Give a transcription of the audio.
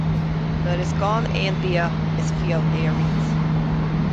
Nuair is gann é an bia is fial é a roinnt.